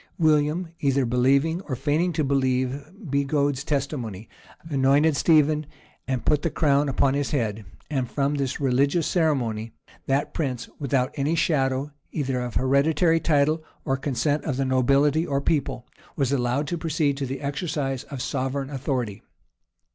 [*] William, either believing or feigning to believe Bigod's testimony, anointed Stephen, and put the crown upon his head; and from this religious ceremony, that prince, without any shadow, either of hereditary title or consent of the nobility or people, was allowed to proceed to the exercise of sovereign authority.